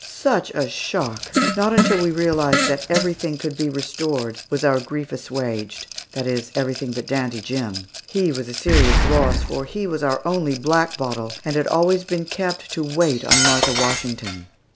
Such a shock! Not until we realized that everything could be restored was our grief assuaged that is, everything but Dandy Jim. He was a serious loss, for he was our only black bottle and had always been kept to wait on Martha Washington.